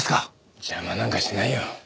邪魔なんかしないよ。